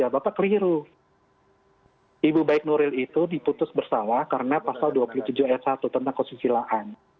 bapak keliru ibu baik nuril itu diputus bersalah karena pasal dua puluh tujuh ayat satu tentang kesusilaan